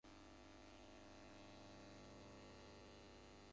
This custom was not suffered to remain a dead letter.